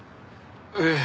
ええ。